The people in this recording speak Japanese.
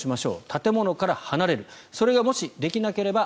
建物から離れるそれがもしできなければ